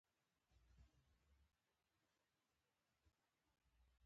توپک ماشومان یتیموي.